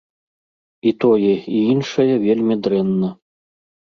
І тое, і іншае вельмі дрэнна.